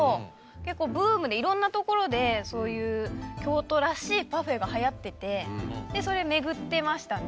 結構ブームでいろんな所でそういう京都らしいパフェが流行っててそれ巡ってましたね。